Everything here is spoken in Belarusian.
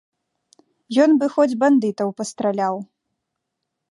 Ён бы хоць бандытаў пастраляў.